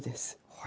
はい。